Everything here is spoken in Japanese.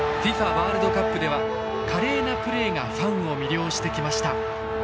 ワールドカップでは華麗なプレーがファンを魅了してきました。